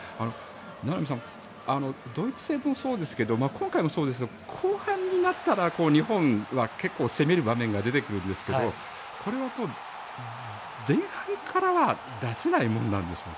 名波さんドイツ戦もそうですけど今回もそうですが後半になったら日本は結構攻める場面が出てくるんですけどこれは前半からは出せないものなんですか？